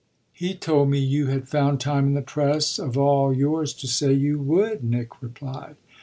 "He told me you had found time in the press of all yours to say you would," Nick replied.